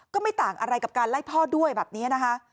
ก็ไม่ต่างอะไรกับการไล่พ่อด้วยแบบนี้นะคะ